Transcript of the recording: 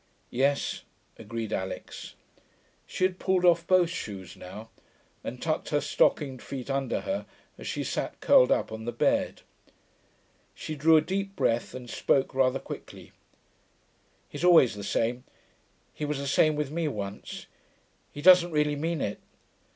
'Yes,' agreed Alix. She had pulled off both shoes now, and tucked her stockinged feet under her as she sat curled up on the bed. She drew a deep breath and spoke rather quickly. 'He's always the same, he was the same with me once, he doesn't really mean it....'